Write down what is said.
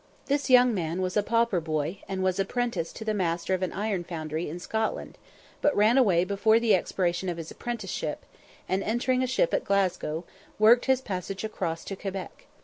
This young man was a pauper boy, and was apprenticed to the master of an iron foundry in Scotland, but ran away before the expiration of his apprenticeship, and, entering a ship at Glasgow, worked his passage across to Quebec.